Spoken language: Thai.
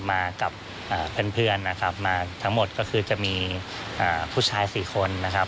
มากับเพื่อนนะครับมาทั้งหมดก็คือจะมีผู้ชาย๔คนนะครับ